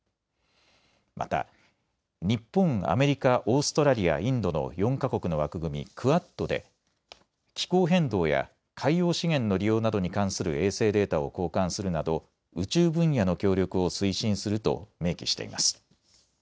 また日本、アメリカ、オーストラリア、インドの４か国の枠組み、クアッドで気候変動や海洋資源の利用などに関する衛星データを交換するなど宇宙分野の協力を推進すると明記しています。